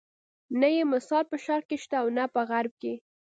نه یې مثال په شرق کې شته او نه په غرب کې.